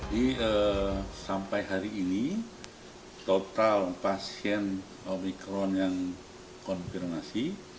jadi sampai hari ini total pasien omikron yang konfirmasi